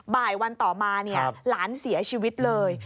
บ่ายวันต่อมาเนี่ยหลานเสียชีวิตเลย